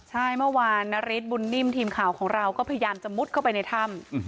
ใช่เมื่อวานนาริสบุญนิ่มทีมข่าวของเราก็พยายามจะมุดเข้าไปในถ้ำ